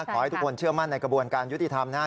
ขอให้ทุกคนเชื่อมั่นในกระบวนการยุติธรรมนะครับ